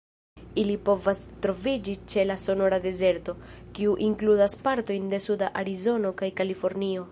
Ili povas troviĝi ĉe la Sonora-Dezerto, kiu inkludas partojn de suda Arizono kaj Kalifornio.